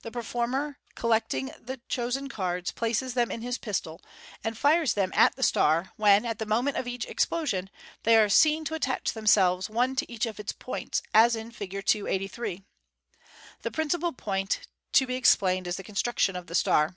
The performer, collecting the chosen cards, places them in his pistol, and fires them at the star, when, at the moment of the explosion, they are seen to attach themselves one to each of its points, as in Fig. 283. The principal point to be explained is the construction of the star.